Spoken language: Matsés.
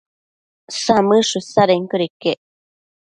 Samëdsho isadenquioda iquec